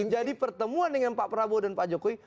jadi pertemuan dengan pak prabowo dan pak jokowi